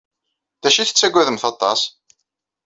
D acu i tettagademt aṭas?